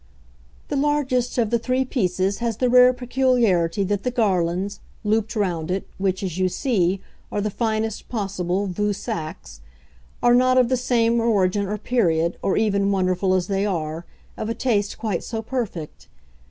"The largest of the three pieces has the rare peculiarity that the garlands, looped round it, which, as you see, are the finest possible vieux Saxe, are not of the same origin or period, or even, wonderful as they are, of a taste quite so perfect.